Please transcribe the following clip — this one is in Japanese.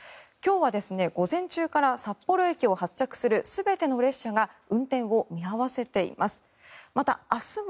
今日は午前中から札幌駅を発着する全ての列車が運転を見合わせています。